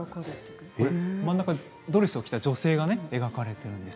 真ん中、ドレスを着た女性が描かれています。